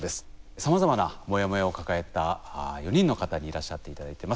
さまざまなモヤモヤを抱えた４人の方にいらっしゃって頂いてます。